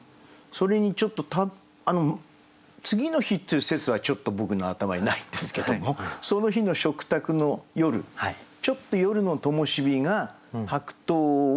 それにちょっと次の日っていう説はちょっと僕の頭にないんですけどもその日の食卓の夜ちょっと夜のともしびが白桃をちょっとそれてる。